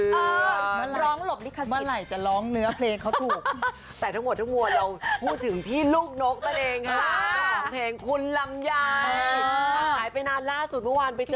เออร้องหลบลิขสิทธิ์